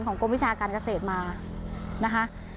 กรมวิชาการเกษตรมานะคะ